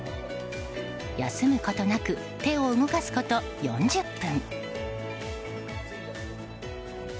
休むことなく手を動かすこと４０分。